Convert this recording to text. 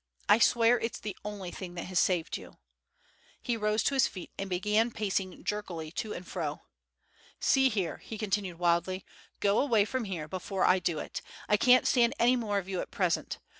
I swear it's the only thing that has saved you." He rose to his feet and began pacing jerkily to and fro. "See here," he continued wildly, "go away from here before I do it. I can't stand any more of you at present.